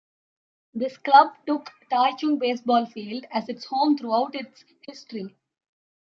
This club took Taichung Baseball Field as its home throughout its history.